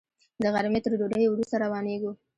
د غرمې تر ډوډۍ وروسته روانېږو.